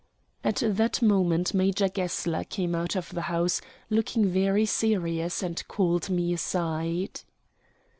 At that moment Major Gessler came out of the house looking very serious and called me aside.